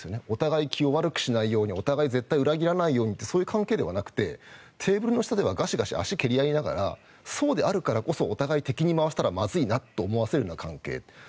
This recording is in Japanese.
お互い気を悪くしないようにお互い絶対裏切らないようにといいう関係ではなくてテーブルの下ではガシガシ足を蹴り合いながらそうであるからこそお互い敵に回したらまずいなと思わせる関係。